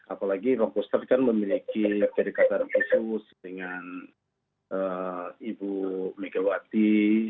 apalagi rongkuster kan memiliki kedekatan khusus dengan ibu megawati